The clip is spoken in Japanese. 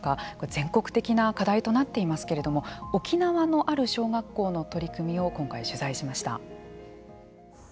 全国的な課題となっていますけれども沖縄のある小学校の取り組みを今回、取材しました。